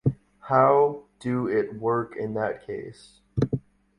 How do it work in that case?